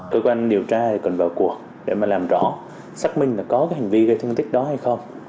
cơ quan điều tra cần vào cuộc để làm rõ xác minh có hành vi gây thương tích đó hay không